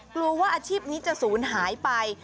กลัวว่าอาชีพนี้จะศูนย์หายไป